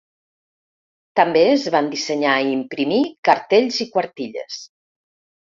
També es van dissenyar i imprimir cartells i quartilles.